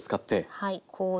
はい。